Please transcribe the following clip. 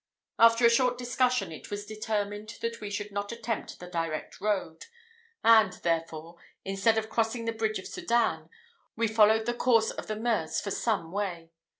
After a short discussion, it was determined that we should not attempt the direct road; and, therefore, instead of crossing the bridge of Sedan, we followed the course of the Meuse for some way.